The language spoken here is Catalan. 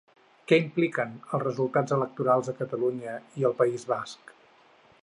Què impliquen els resultats electorals a Catalunya i al País Basc?